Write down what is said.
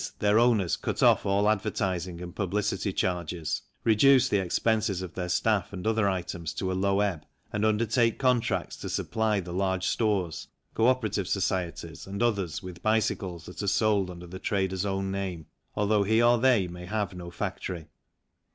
their owners cut off all advertising and publicity charges, reduce the expenses of their staff and other items to a low ebb, and undertake contracts to supply the large stores, co operative societies, and others with bicycles that are sold under the trader's own name although he or they may have no factory.